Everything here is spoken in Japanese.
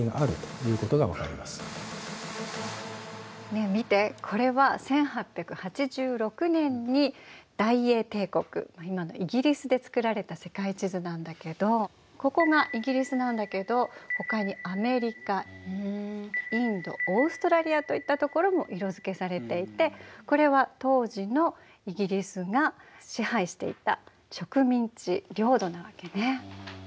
ねえ見てこれは１８８６年に大英帝国今のイギリスで作られた世界地図なんだけどここがイギリスなんだけどほかにアメリカインドオーストラリアといったところも色づけされていてこれは当時のイギリスが支配していた植民地領土なわけね。